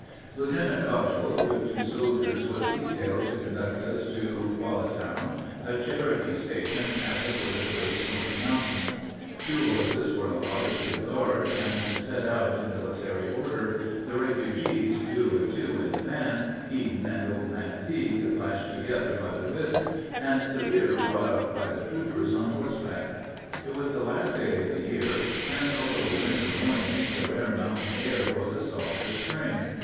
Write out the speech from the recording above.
Lieutenant Cogdill, with two soldiers, was detailed to conduct us to Quallatown, a Cherokee station at the foot of the Great Smoky Mountains. Two horses were allotted to the guard, and we set out in military order, the refugees two and two in advance, Headen and Old Man Tigue lashed together by the wrists, and the rear brought up by the troopers on horseback. It was the last day of the year, and although a winter morning, the rare mountain air was as soft as spring.